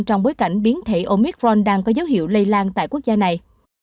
trong bối cảnh biến thể omicron đang có dấu hiệu lây lan tại quốc gia này